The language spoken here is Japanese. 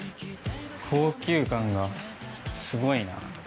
高級感がすごいな。